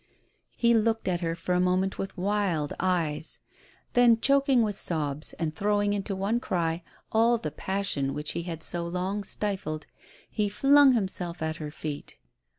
He looked at her for a moment with wild eyes; then, choking with sobs, and throwing into one cry all the passion which he had so long stifled, he flung himself at her feet.